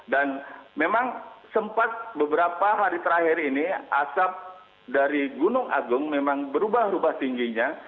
dan memang sempat beberapa hari terakhir ini asap dari gunung agung memang berubah ubah tingginya